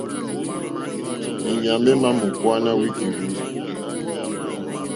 E nyàmbe è ma mò kuwana wiki rzurzù.